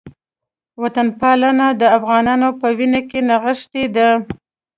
وطنپالنه د افغانانو په وینه کې نغښتې ده